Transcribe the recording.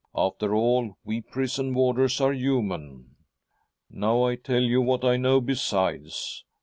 After all, we prison warders are human. Now I'll tell you what I know besides.